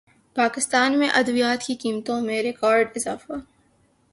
پاکستان میں ادویات کی قیمتوں میں ریکارڈ اضافہ